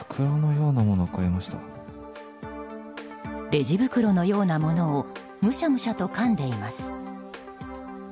レジ袋のようなものをむしゃむしゃとかんでいます。